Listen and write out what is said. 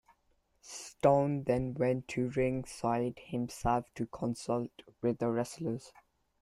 Stone then went to ringside himself to consult with the wrestlers.